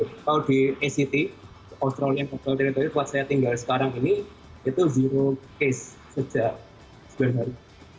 kalau di a city australia mas saya tinggal sekarang ini itu case sejak sembilan hari